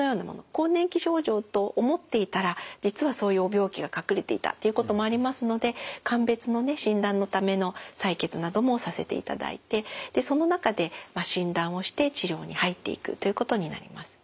更年期症状と思っていたら実はそういう病気が隠れていたっていうこともありますので鑑別のね診断のための採血などもさせていただいてその中で診断をして治療に入っていくということになります。